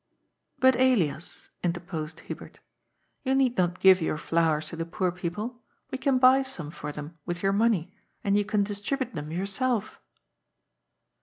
" But, Elias," interposed Hubert, " you need not give your flowers to the poor people. We can buy some for them with your money, and you can distribute them yourself."